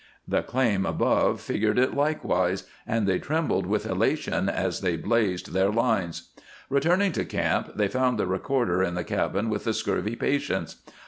The claim above figured likewise, and they trembled with elation as they blazed their lines. Returning to camp, they found the recorder in the cabin with the scurvy patients.